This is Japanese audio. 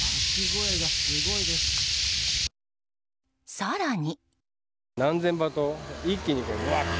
更に。